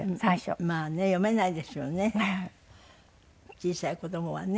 小さい子どもはね。